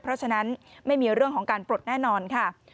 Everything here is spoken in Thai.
เพราะฉะนั้นไม่มีเรื่องของการปลดแน่นอนค่ะ